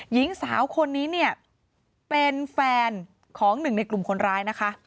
หญิงสาวคนนี้เป็นแฟนของ๑ในกลุ่มคนร้าย